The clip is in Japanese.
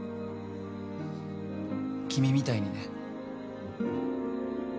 君みたいにね。